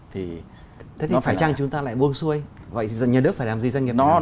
thế thì phải chăng chúng ta lại buông xuôi vậy nhà nước phải làm gì doanh nghiệp phải làm gì